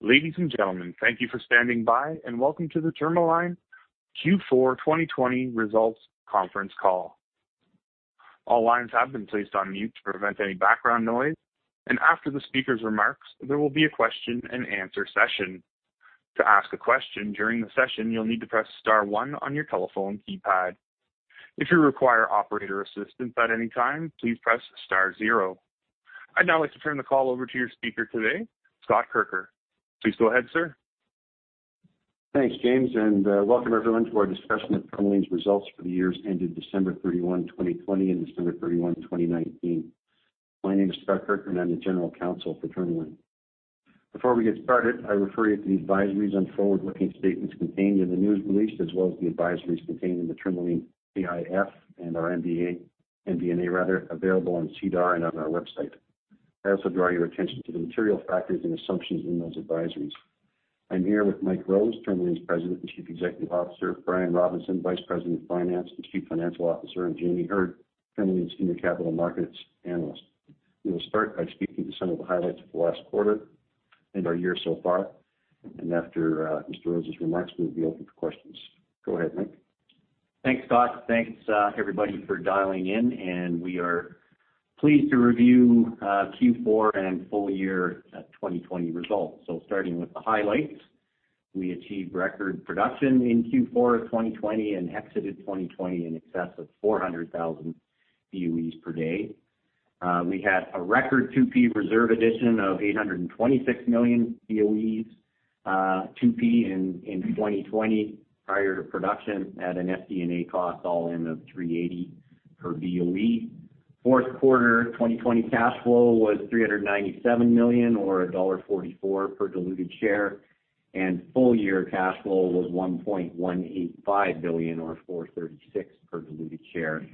Ladies and gentlemen, thank you for standing by, and welcome to the Tourmaline Q4 2020 results conference call. All lines have been placed on mute to prevent any background noise, and after the speaker's remarks, there will be a question-and-answer session. To ask a question during the session, you'll need to press star one on your telephone keypad. If you require operator assistance at any time, please press star zero. I'd now like to turn the call over to your speaker today, Scott Kirker. Please go ahead, sir. Thanks, James, and welcome everyone to our discussion of Tourmaline's results for the years ended December 31, 2020, and December 31, 2019. My name is Scott Kirker, and I'm the general counsel for Tourmaline. Before we get started, I refer you to the advisories and forward-looking statements contained in the news release, as well as the advisories contained in the Tourmaline AIF and our MBA, MB&A rather, available on SEDAR and on our website. I also draw your attention to the material factors and assumptions in those advisories. I'm here with Mike Rose, Tourmaline's President and Chief Executive Officer, Brian Robinson, Vice President of Finance and Chief Financial Officer, and Jamie Heard, Tourmaline's Senior Capital Markets Analyst. We will start by speaking to some of the highlights of the last quarter and our year so far, and after Mr. Rose's remarks, we'll be open for questions. Go ahead, Mike. Thanks, Scott. Thanks, everybody, for dialing in, and we are pleased to review Q4 and full year 2020 results. So starting with the highlights, we achieved record production in Q4 of 2020 and exited 2020 in excess of 400,000 BOEs per day. We had a record 2P reserve addition of 826 million BOEs, 2P in 2020 prior to production at an FD&A cost all in of 380 per BOE. Fourth quarter 2020 cash flow was 397 million, or dollar 1.44 per diluted share, and full year cash flow was 1.185 billion, or 436 per diluted share.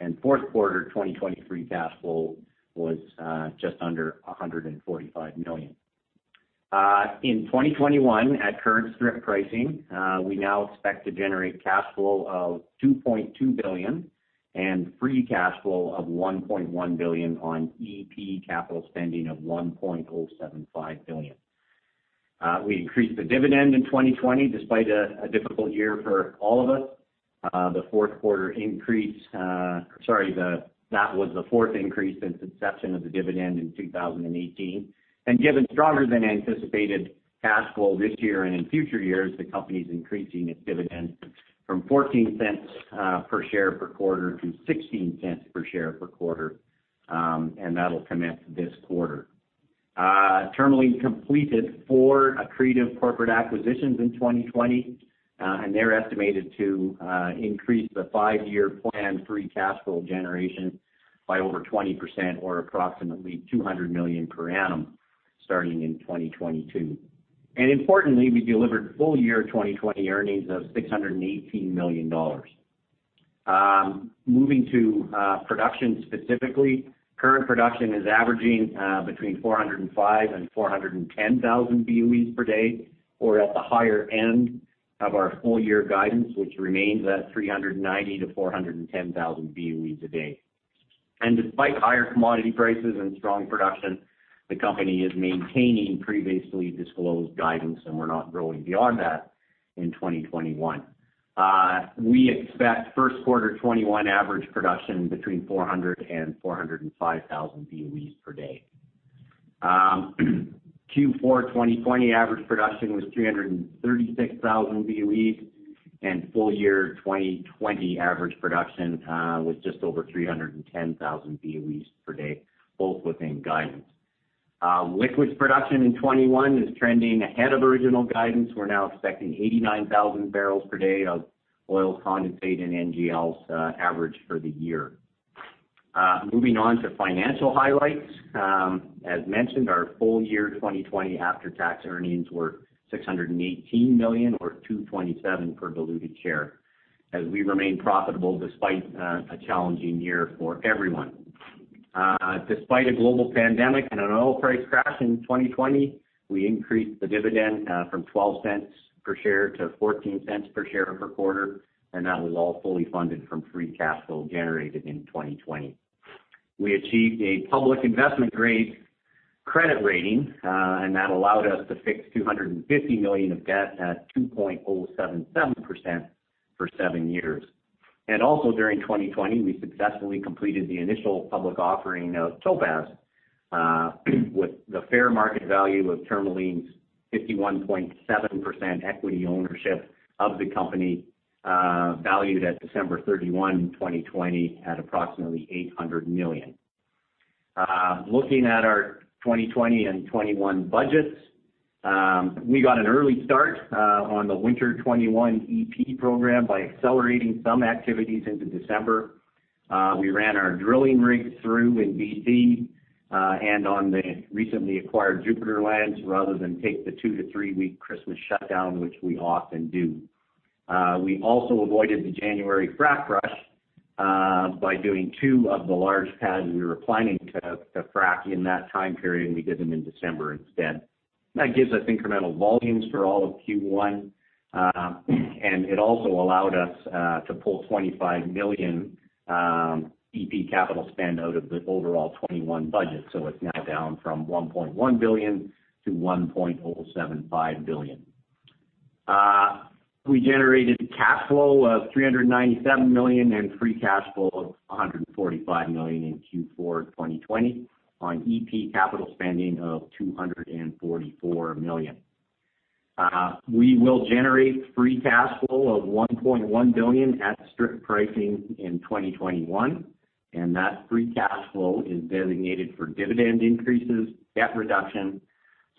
And fourth quarter 2023 cash flow was just under 145 million. In 2021, at current strip pricing, we now expect to generate cash flow of 2.2 billion and free cash flow of 1.1 billion on EP capital spending of 1.075 billion. We increased the dividend in 2020, despite a difficult year for all of us. The fourth quarter increase, sorry, that was the fourth increase since inception of the dividend in 2018. And given stronger than anticipated cash flow this year and in future years, the company's increasing its dividend from 0.14 per share per quarter to 0.16 per share per quarter, and that'll commence this quarter. Tourmaline completed four accretive corporate acquisitions in 2020, and they're estimated to increase the five-year planned free cash flow generation by over 20%, or approximately 200 million per annum, starting in 2022. And importantly, we delivered full year 2020 earnings of 618 million dollars. Moving to production specifically, current production is averaging between 405 and 410 thousand BOEs per day, or at the higher end of our full year guidance, which remains at 390 to 410 thousand BOEs a day. Despite higher commodity prices and strong production, the company is maintaining previously disclosed guidance, and we're not growing beyond that in 2021. We expect first quarter 2021 average production between 400 and 405 thousand BOEs per day. Q4 2020 average production was 336 thousand BOEs, and full year 2020 average production was just over 310 thousand BOEs per day, both within guidance. Liquids production in 2021 is trending ahead of original guidance. We're now expecting 89,000 barrels per day of oil condensate and NGLs average for the year. Moving on to financial highlights, as mentioned, our full year 2020 after-tax earnings were 618 million, or 2.27 per diluted share, as we remain profitable despite a challenging year for everyone. Despite a global pandemic and an oil price crash in 2020, we increased the dividend from 0.12 per share to 0.14 per share per quarter, and that was all fully funded from free cash flow generated in 2020. We achieved a public investment grade credit rating, and that allowed us to fix 250 million of debt at 2.077% for seven years. And also during 2020, we successfully completed the initial public offering of Topaz, with the fair market value of Tourmaline's 51.7% equity ownership of the company valued at December 31, 2020, at approximately 800 million. Looking at our 2020 and 2021 budgets, we got an early start on the winter 2021 EP program by accelerating some activities into December. We ran our drilling rigs through in DC and on the recently acquired Jupiter lands rather than take the two-to-three-week Christmas shutdown, which we often do. We also avoided the January frack rush by doing two of the large pads we were planning to frack in that time period, and we did them in December instead. That gives us incremental volumes for all of Q1, and it also allowed us to pull 25 million EP capital spend out of the overall 2021 budget, so it's now down from 1.1 billion to 1.075 billion. We generated cash flow of 397 million and free cash flow of 145 million in Q4 2020 on EP capital spending of 244 million. We will generate free cash flow of 1.1 billion at strip pricing in 2021, and that free cash flow is designated for dividend increases, debt reduction,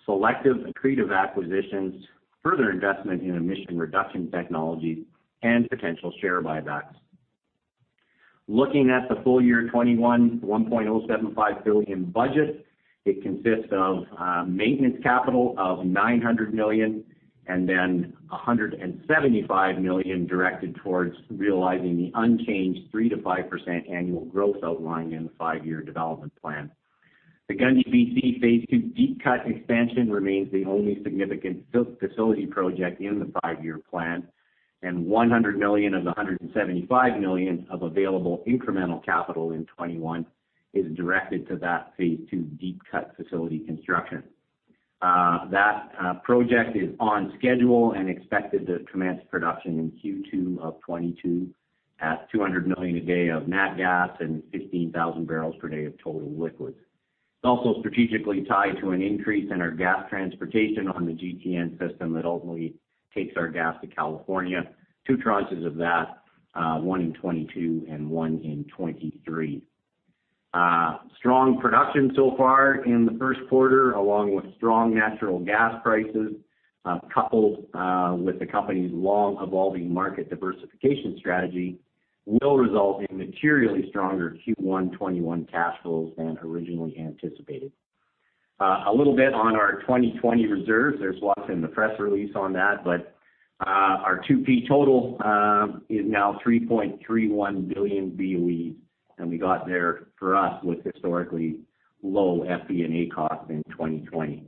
selective accretive acquisitions, further investment in emission reduction technologies, and potential share buybacks. Looking at the full year 2021 1.075 billion budget, it consists of maintenance capital of 900 million and then 175 million directed towards realizing the unchanged 3%-5% annual growth outline in the five-year development plan. The Gundy BC Phase II deep cut expansion remains the only significant facility project in the five-year plan, and 100 million of the 175 million of available incremental capital in 2021 is directed to that Phase II deep cut facility construction. That project is on schedule and expected to commence production in Q2 of 2022 at 200 million a day of natural gas and 15,000 barrels per day of total liquids. It's also strategically tied to an increase in our gas transportation on the GTN system that ultimately takes our gas to California, two tranches of that, one in 2022 and one in 2023. Strong production so far in the first quarter, along with strong natural gas prices, coupled with the company's long-evolving market diversification strategy, will result in materially stronger Q1 2021 cash flows than originally anticipated. A little bit on our 2020 reserves, there's lots in the press release on that, but our 2P total is now 3.31 billion BOEs, and we got there for us with historically low FD&A costs in 2020.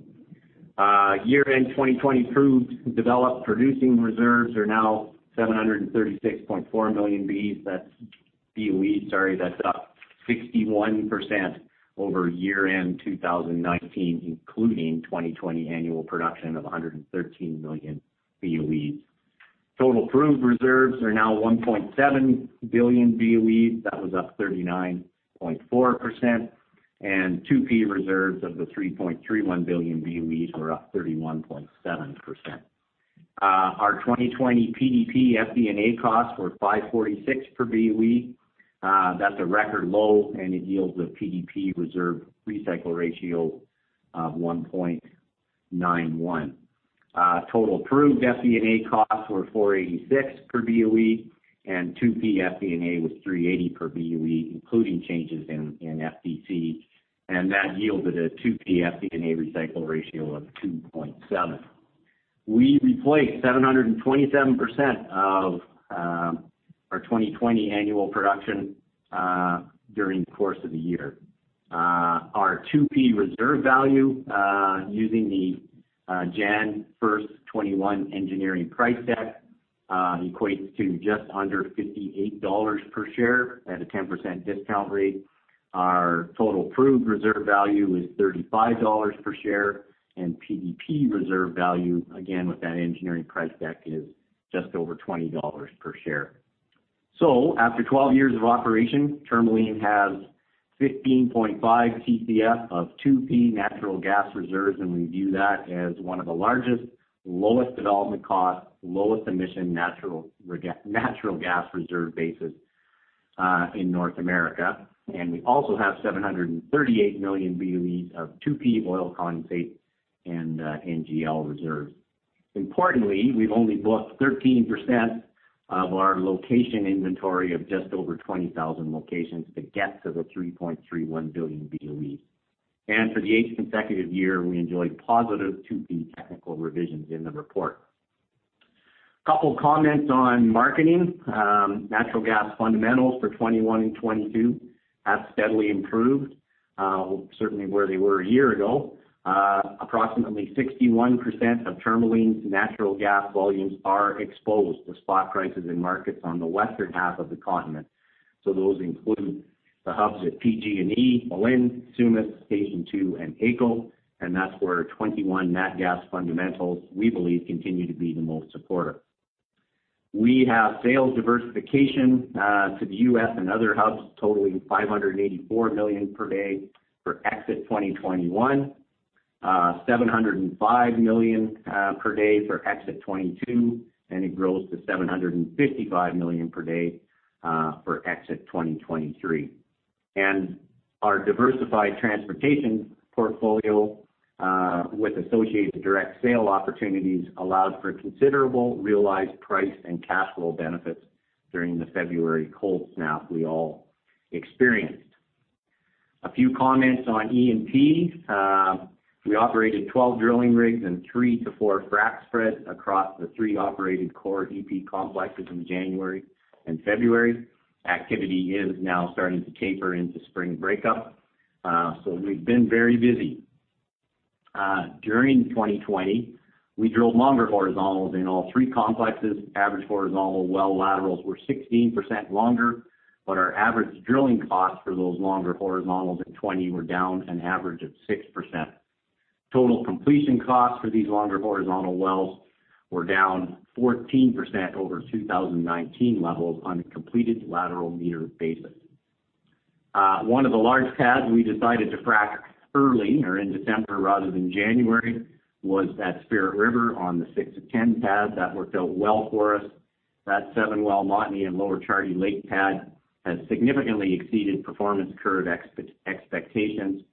Year-end 2020 proved developed producing reserves are now 736.4 million BOEs, that's up 61% over year-end 2019, including 2020 annual production of 113 million BOEs. Total proved reserves are now 1.7 billion BOEs, that was up 39.4%, and 2P reserves of the 3.31 billion BOEs were up 31.7%. Our 2020 PDP FD&A costs were 546 per BOE, that's a record low, and it yields a PDP reserve recycle ratio of 1.91. Total proved FD&A costs were 486 per BOE, and 2P FD&A was 380 per BOE, including changes in FDC, and that yielded a 2P FD&A recycle ratio of 2.7. We replaced 727% of our 2020 annual production during the course of the year. Our 2P reserve value, using the January 1, 2021 engineering price deck, equates to just under 58 dollars per share at a 10% discount rate. Our total proved reserve value is 35 dollars per share, and PDP reserve value, again with that engineering price deck, is just over 20 dollars per share. So after 12 years of operation, Tourmaline has 15.5 TCF of 2P natural gas reserves, and we view that as one of the largest, lowest development costs, lowest emission natural gas reserve bases in North America. And we also have 738 million BOEs of 2P oil condensate and NGL reserves. Importantly, we've only booked 13% of our location inventory of just over 20,000 locations to get to the 3.31 billion BOEs. And for the eighth consecutive year, we enjoyed positive 2P technical revisions in the report. Couple of comments on marketing. Natural gas fundamentals for 2021 and 2022 have steadily improved, certainly where they were a year ago. Approximately 61% of Tourmaline's natural gas volumes are exposed to spot prices in markets on the western half of the continent. So those include the hubs at PG&E, Malin, Sumas, Station 2, and A, and that's where 2021 natural gas fundamentals, we believe, continue to be the most supportive. We have sales diversification to the U.S. and other hubs, totaling 584 million per day for exit 2021, 705 million per day for exit 2022, and it grows to 755 million per day for exit 2023. Our diversified transportation portfolio with associated direct sale opportunities allowed for considerable realized price and cash flow benefits during the February cold snap we all experienced. A few comments on E&P. We operated 12 drilling rigs and three to four frac spreads across the three operated core EP complexes in January and February. Activity is now starting to taper into spring breakup, so we've been very busy. During 2020, we drilled longer horizontals in all three complexes. Average horizontal well laterals were 16% longer, but our average drilling costs for those longer horizontals in 2020 were down an average of 6%. Total completion costs for these longer horizontal wells were down 14% over 2019 levels on a completed lateral meter basis. One of the large pads we decided to frac early, or in December rather than January, was at Spirit River on the 6-to-10 pad. That worked out well for us. That seven-well Montney and Lower Charlie Lake pad has significantly exceeded performance curve expectations,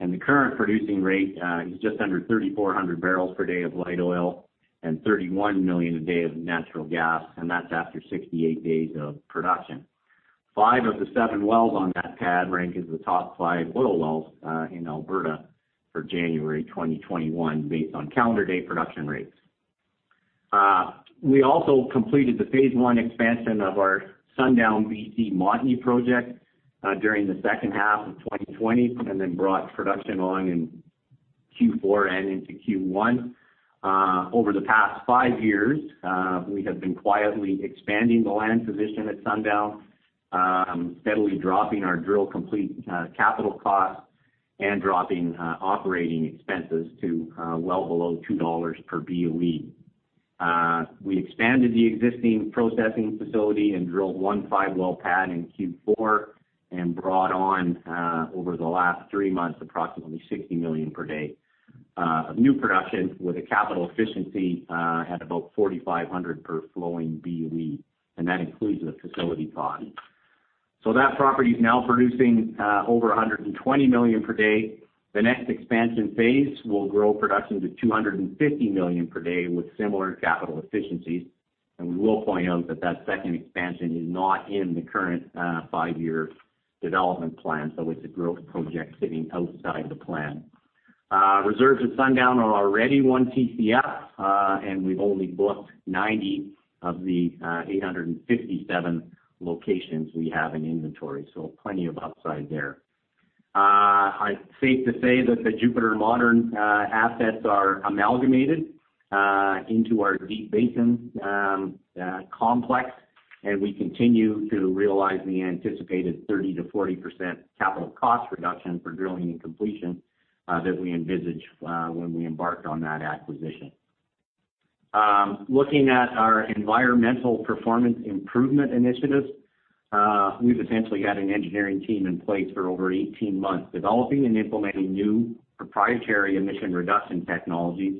and the current producing rate is just under 3,400 barrels per day of light oil and 31 million a day of natural gas, and that's after 68 days of production. Five of the seven wells on that pad rank as the top five oil wells in Alberta for January 2021, based on calendar day production rates. We also completed the phase one expansion of our Sundown, BC Montney project during the second half of 2020 and then brought production on in Q4 and into Q1. Over the past five years, we have been quietly expanding the land position at Sundown, steadily dropping our drill and complete capital costs and dropping operating expenses to well below 2 dollars per BOE. We expanded the existing processing facility and drilled one five-well pad in Q4 and brought on, over the last three months, approximately 60 million per day of new production with a capital efficiency at about 4,500 per flowing BOE, and that includes the facility costs, so that property is now producing over 120 million per day. The next expansion phase will grow production to 250 million per day with similar capital efficiencies, and we will point out that that second expansion is not in the current five-year development plan, so it's a growth project sitting outside the plan. Reserves at Sundown are already one TCF, and we've only booked 90 of the 857 locations we have in inventory, so plenty of upside there. I'd say that the Jupiter Montney assets are amalgamated into our deep basin complex, and we continue to realize the anticipated 30%-40% capital cost reduction for drilling and completion that we envisage when we embark on that acquisition. Looking at our environmental performance improvement initiatives, we've essentially had an engineering team in place for over 18 months developing and implementing new proprietary emission reduction technologies,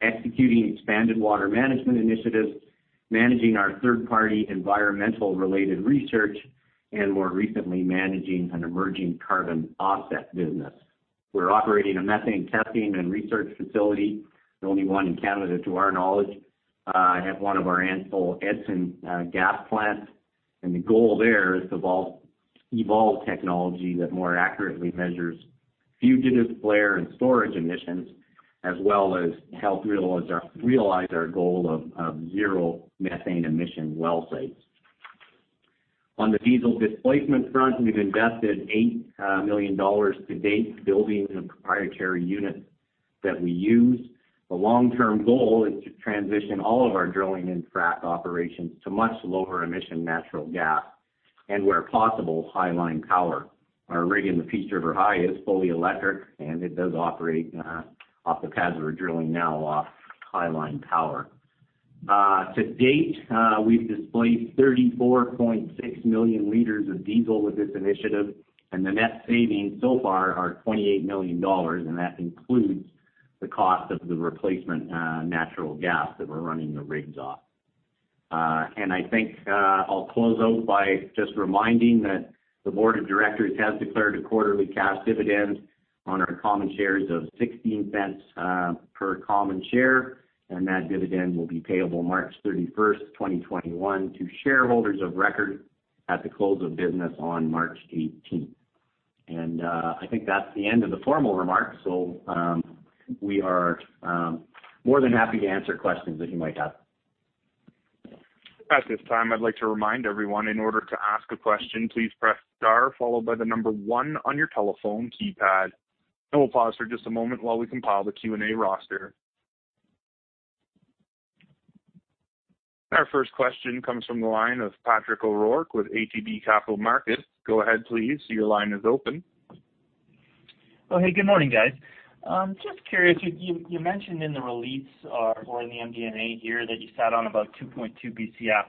executing expanded water management initiatives, managing our third-party environmental-related research, and more recently managing an emerging carbon offset business. We're operating a methane testing and research facility, the only one in Canada to our knowledge, at one of our Ansell Edson gas plants, and the goal there is to evolve technology that more accurately measures fugitive flare and storage emissions, as well as help realize our goal of zero methane emission well sites. On the diesel displacement front, we've invested 8 million dollars to date building the proprietary units that we use. The long-term goal is to transition all of our drilling and frac operations to much lower emission natural gas and, where possible, high line power. Our rig in the Peace River High is fully electric, and it does operate off the pads we're drilling now off high line power. To date, we've displaced 34.6 million liters of diesel with this initiative, and the net savings so far are 28 million dollars, and that includes the cost of the replacement natural gas that we're running the rigs off. I think I'll close out by just reminding that the board of directors has declared a quarterly cash dividend on our common shares of 0.16 per common share, and that dividend will be payable March 31, 2021, to shareholders of record at the close of business on March 18. I think that's the end of the formal remarks, so we are more than happy to answer questions that you might have. At this time, I'd like to remind everyone in order to ask a question, please press star followed by the number one on your telephone keypad. We'll pause for just a moment while we compile the Q&A roster. Our first question comes from the line of Patrick O'Rourke with ATB Capital Markets. Go ahead, please. Your line is open. Oh, hey, good morning, guys. Just curious, you mentioned in the release or in the MD&A here that you sat on about 2.2 BCF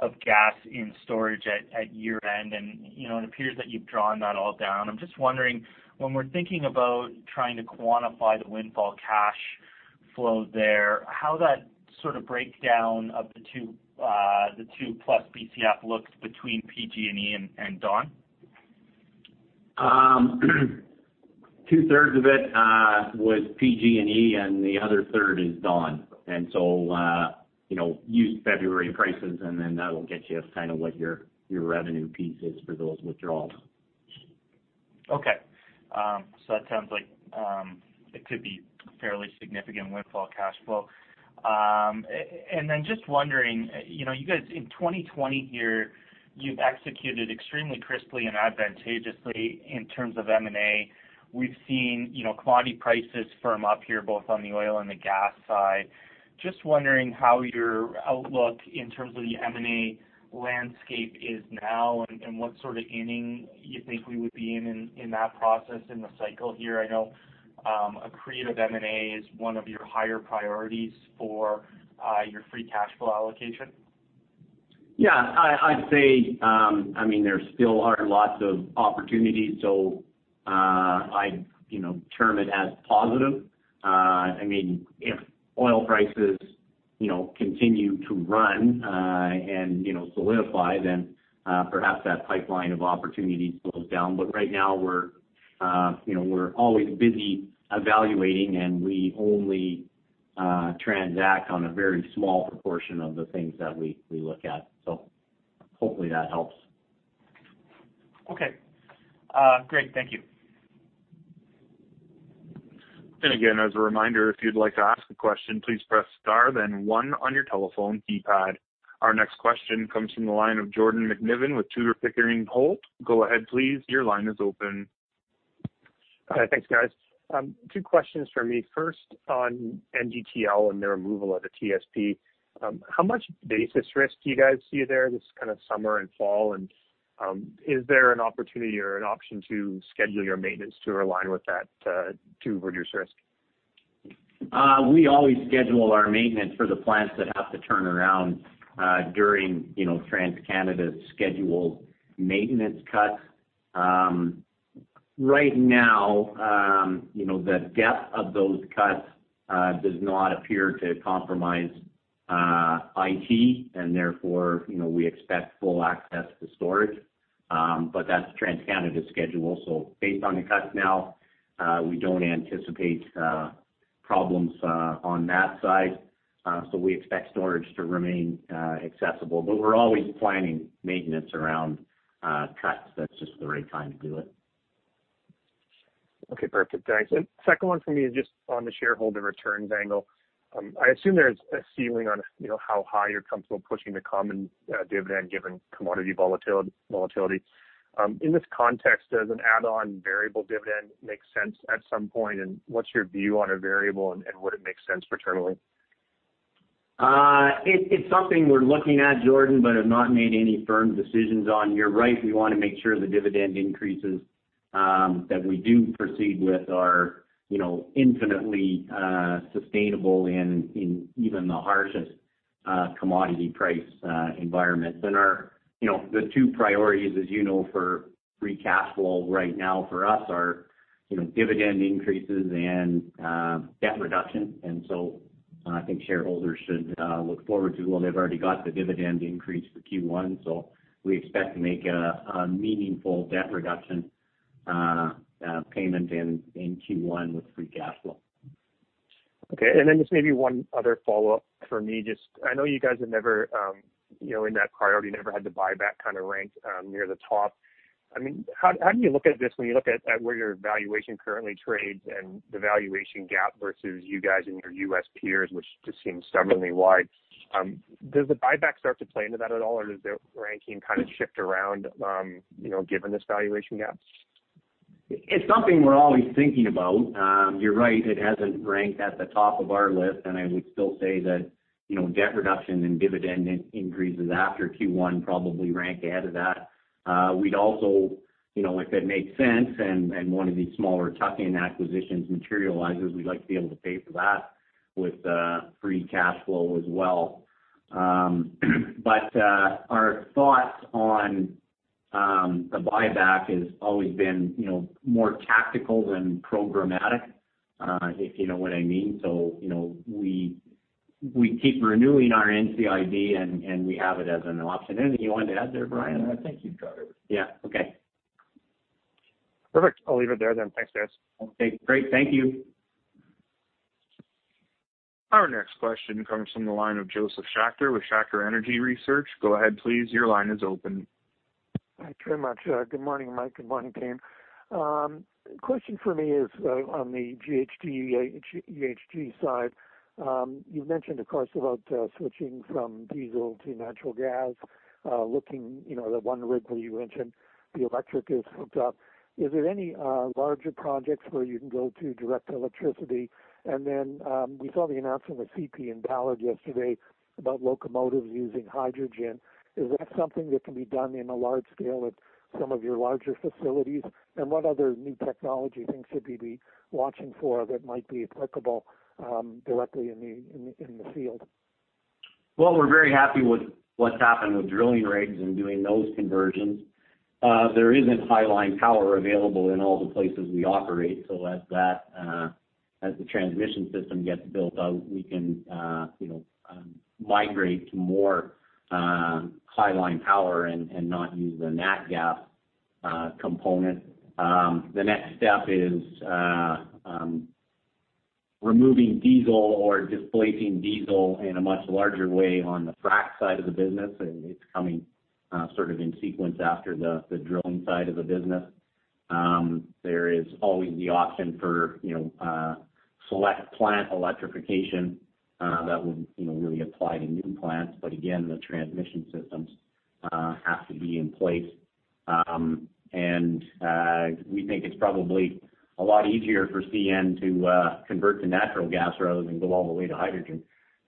of gas in storage at year-end, and it appears that you've drawn that all down. I'm just wondering, when we're thinking about trying to quantify the windfall cash flow there, how that sort of breakdown of the 2 plus BCF looks between PG&E and Dawn? Two-thirds of it was PG&E, and the other third is Dawn. And so use February prices, and then that'll get you kind of what your revenue piece is for those withdrawals. Okay, so that sounds like it could be fairly significant windfall cash flow. And then just wondering, you guys in 2020 here, you've executed extremely crisply and advantageously in terms of M&A. We've seen commodity prices firm up here, both on the oil and the gas side. Just wondering how your outlook in terms of the M&A landscape is now and what sort of inning you think we would be in in that process in the cycle here. I know accretive M&A is one of your higher priorities for your free cash flow allocation. Yeah. I'd say, I mean, there still are lots of opportunities, so I term it as positive. I mean, if oil prices continue to run and solidify, then perhaps that pipeline of opportunities slows down. But right now, we're always busy evaluating, and we only transact on a very small proportion of the things that we look at. So hopefully that helps. Okay. Great. Thank you. And again, as a reminder, if you'd like to ask a question, please press star, then one on your telephone keypad. Our next question comes from the line of Jordan McNiven with Tudor, Pickering, Holt. Go ahead, please. Your line is open. Thanks, guys. Two questions for me. First, on NGTL and the removal of the TSP, how much basis risk do you guys see there this kind of summer and fall? And is there an opportunity or an option to schedule your maintenance to align with that to reduce risk? We always schedule our maintenance for the plants that have to turn around during TransCanada's scheduled maintenance cuts. Right now, the depth of those cuts does not appear to compromise IT, and therefore we expect full access to storage. But that's TransCanada's schedule. So based on the cuts now, we don't anticipate problems on that side. So we expect storage to remain accessible. But we're always planning maintenance around cuts. That's just the right time to do it. Okay. Perfect. Thanks. And second one for me is just on the shareholder returns angle. I assume there's a ceiling on how high you're comfortable pushing the common dividend given commodity volatility. In this context, does an add-on variable dividend make sense at some point? And what's your view on a variable, and would it make sense for Tourmaline? It's something we're looking at, Jordan, but have not made any firm decisions on. You're right. We want to make sure the dividend increases that we do proceed with are infinitely sustainable in even the harshest commodity price environment. And the two priorities, as you know, for free cash flow right now for us are dividend increases and debt reduction. And so I think shareholders should look forward to, well, they've already got the dividend increase for Q1, so we expect to make a meaningful debt reduction payment in Q1 with free cash flow. Okay. And then just maybe one other follow-up for me. I know you guys have never, in that priority, never had the buyback kind of rank near the top. I mean, how do you look at this when you look at where your valuation currently trades and the valuation gap versus you guys and your U.S. peers, which just seems stubbornly wide? Does the buyback start to play into that at all, or does the ranking kind of shift around given this valuation gap? It's something we're always thinking about. You're right. It hasn't ranked at the top of our list, and I would still say that debt reduction and dividend increases after Q1 probably rank ahead of that. We'd also, if it makes sense and one of these smaller tuck-in acquisitions materializes, we'd like to be able to pay for that with free cash flow as well. But our thoughts on the buyback have always been more tactical than programmatic, if you know what I mean. So we keep renewing our NCIB, and we have it as an option. Anything you wanted to add there, Brian? I think you've got everything. Yeah. Okay. Perfect. I'll leave it there then. Thanks, guys. Okay. Great. Thank you. Our next question comes from the line of Josef Schachter with Schachter Energy Research. Go ahead, please. Your line is open. Thanks very much. Good morning, Mike. Good morning, team. Question for me is on the GHG side. You've mentioned, of course, about switching from diesel to natural gas, looking at one rig where you mentioned the electric is hooked up. Is there any larger projects where you can go to direct electricity? And then we saw the announcement of CP in Ballard yesterday about locomotives using hydrogen. Is that something that can be done in a large scale at some of your larger facilities? And what other new technology things should we be watching for that might be applicable directly in the field? Well, we're very happy with what's happened with drilling rigs and doing those conversions. There isn't high line power available in all the places we operate, so as the transmission system gets built out, we can migrate to more high line power and not use the nat gas component. The next step is removing diesel or displacing diesel in a much larger way on the frac side of the business. It's coming sort of in sequence after the drilling side of the business. There is always the option for select plant electrification that would really apply to new plants. But again, the transmission systems have to be in place. And we think it's probably a lot easier for CN to convert to natural gas rather than go all the way to hydrogen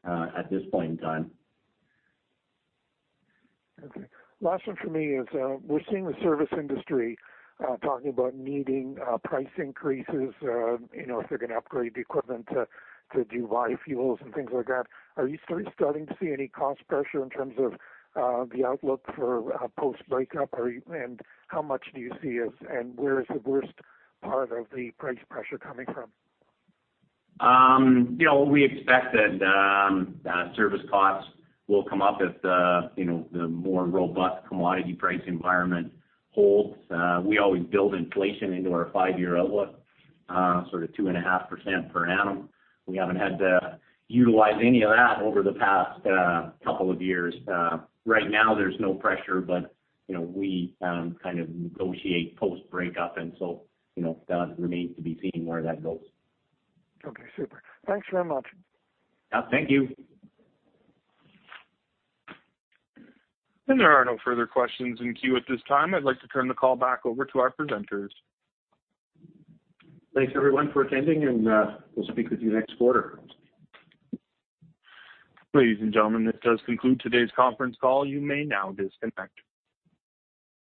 at this point in time. Okay. Last one for me is we're seeing the service industry talking about needing price increases if they're going to upgrade the equipment to do bi-fuels and things like that. Are you starting to see any cost pressure in terms of the outlook for post-breakup? And how much do you see, and where is the worst part of the price pressure coming from? We expect that service costs will come up if the more robust commodity price environment holds. We always build inflation into our five-year outlook, sort of 2.5% per annum. We haven't had to utilize any of that over the past couple of years. Right now, there's no pressure, but we kind of negotiate post-breakup, and so that remains to be seen where that goes. Okay. Super. Thanks very much. Thank you. And there are no further questions in queue at this time. I'd like to turn the call back over to our presenters. Thanks, everyone, for attending, and we'll speak with you next quarter. Ladies and gentlemen, this does conclude today's conference call. You may now disconnect.